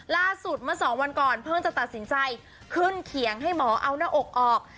เมื่อสองวันก่อนเพิ่งจะตัดสินใจขึ้นเขียงให้หมอเอาหน้าอกออก